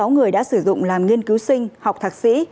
bảy mươi sáu người đã sử dụng làm nghiên cứu sinh học thạc sĩ